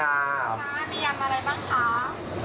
ค่ะมียำอะไรบ้างคะ